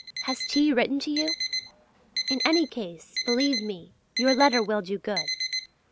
Has T. written to you? In any case, believe me, your letter will do good.